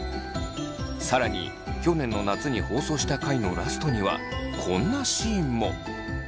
更に去年の夏に放送した回のラストにはこんなシーンも！